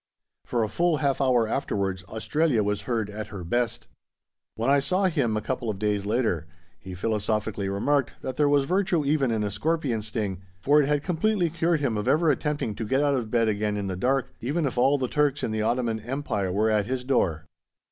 For a full half hour afterwards Australia was heard at her best. When I saw him a couple of days later he philosophically remarked that there was virtue even in a scorpion sting, for it had completely cured him of ever attempting to get out of bed again in the dark, even if all the Turks in the Ottoman Empire were at his door.